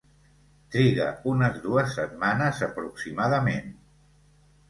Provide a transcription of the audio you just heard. Triga unes dues setmanes aproximadament.